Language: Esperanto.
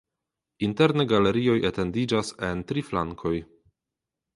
Interne galerioj etendiĝas en tri flankoj.